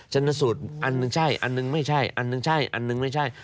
ชนสูตรอันหนึ่งใช่อันหนึ่งไม่ใช่อันหนึ่งใช่อันหนึ่งไม่ใช่